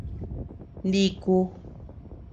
Niku.